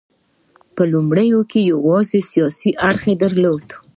په لومړیو کې یوازې سیاسي اړخ درلود